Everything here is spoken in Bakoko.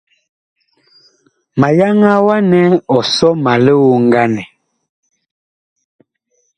Ma yaŋaa wa nɛ ɔ sɔ ma lioŋganɛ.